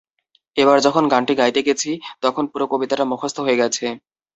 এবার যখন গানটি গাইতে গেছি, তখন পুরো কবিতাটা মুখস্থ হয়ে গেছে।